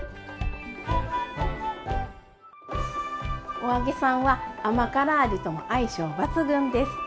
お揚げさんは甘辛味とも相性抜群です。